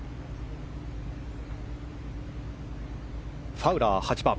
ファウラー、８番。